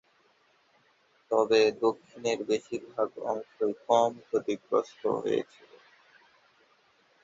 তবে দক্ষিণের বেশিরভাগ অংশই কম ক্ষতিগ্রস্ত হয়েছিল।